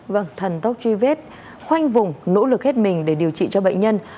vâng thần tốc truy vết khoanh vùng nỗ lực hết mình để điều trị cho bệnh nhân